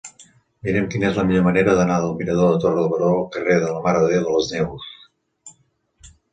Mira'm quina és la millor manera d'anar del mirador de Torre Baró al carrer de la Mare de Déu de les Neus.